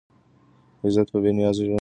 عزت په بې نیازه ژوند کې دی.